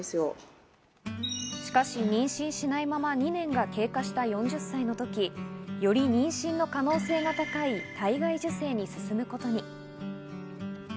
しかし妊娠しないまま２年が経過した４０歳のとき、より妊娠の可能性が高い体外受精に進むことに。